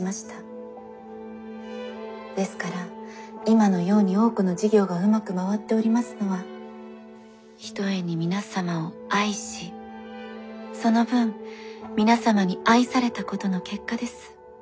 ですから今のように多くの事業がうまく回っておりますのはひとえに皆様を愛しその分皆様に愛されたことの結果です。